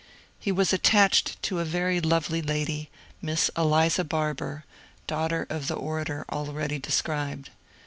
He was attached to a very lovely lady. Miss Eliza Barbour, daughter of the orator already described.